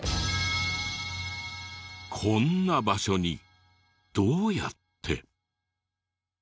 こんな場所にどうやって？